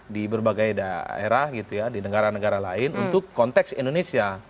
di berbagai daerah gitu ya di negara negara lain untuk konteks indonesia